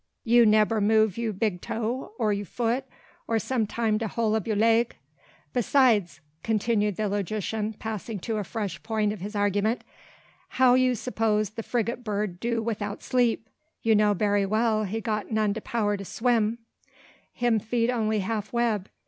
You nebber move you big toe, or you foot, or some time de whole ob you leg? Beside," continued the logician, passing to a fresh point of his argument, "how you s'pose de frigate bird do 'idout sleep? You know berry well he not got de power to swim, him feet only half web.